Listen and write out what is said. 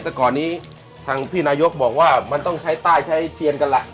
แต่ก่อนนี้ทางพี่นายกบอกว่ามันต้องใช้ใต้ใช้เทียนกันล่ะ